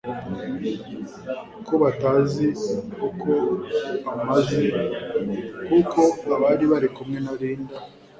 ko batazi uko amaze kuko abari bari kumwe na Linda